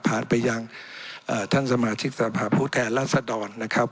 ไปยังท่านสมาชิกสภาพผู้แทนรัศดรนะครับ